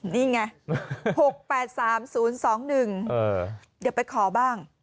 นี่ไง๖๘๓๐๒๑เดี๋ยวไปขอบ้าง